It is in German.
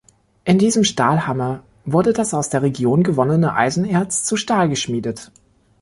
In diesem Stahlhammer wurde das aus der Region gewonnene Eisenerz zu Stahl geschmiedet.